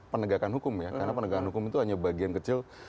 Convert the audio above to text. penegakan hukum ya karena penegakan hukum itu hanya bagian kecil